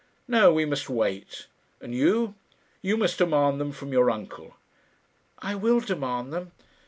No; we must wait; and you you must demand them from your uncle." "I will demand them.